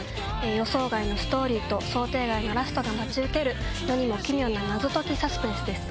予想外のストーリーと想定外のラストが待ち受ける世にも奇妙な謎解きサスペンスです